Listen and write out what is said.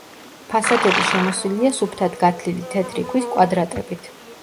ფასადები შემოსილია სუფთად გათლილი თეთრი ქვის კვადრატებით.